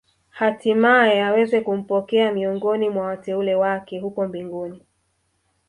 Hatimae aweze kumpokea miongoni mwa wateule wake huko mbinguni